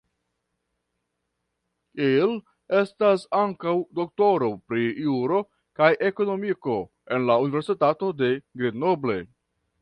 Il estas ankaŭ doktoro pri juro kaj ekonomiko en la Universitato de Grenoble.